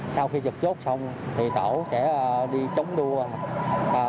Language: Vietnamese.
sau khi trực chốt xong thì tổ sẽ đi chống đua